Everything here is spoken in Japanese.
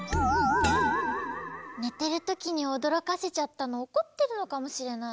ねてるときにおどろかせちゃったのおこってるのかもしれない。